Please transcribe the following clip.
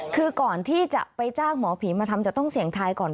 คือก่อนที่จะไปจ้างหมอผีมาทำจะต้องเสี่ยงทายก่อน